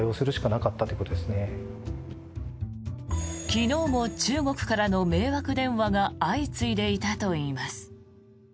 昨日も中国からの迷惑電話が相次いでいたといいます。